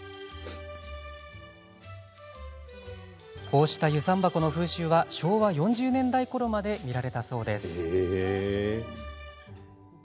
こうした遊山箱の風習は昭和４０年代ころまで見られたんだそうです。